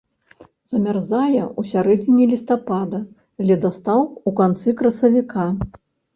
Замярзае ў сярэдзіне лістапада, ледастаў у канцы красавіка.